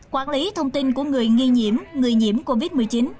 quản lý thông tin của người nghi nhiễm người nhiễm covid một mươi chín